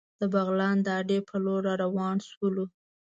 د بغلان د اډې په لور را روان شولو.